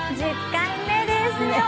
１０回目ですよー。